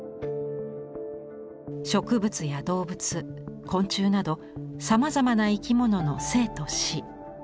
植物や動物昆虫などさまざまな生き物の生と死。